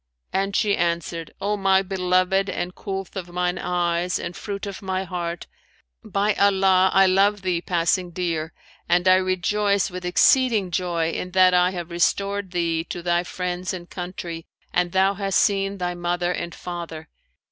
and she answered 'O my beloved and coolth of mine eyes and fruit of my heart, by Allah, I love thee passing dear and I rejoice with exceeding joy in that I have restored thee to thy friends and country and thou hast seen thy mother and father.